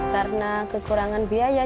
karena kekurangan biaya